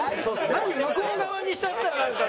向こう側にしちゃったらなんか。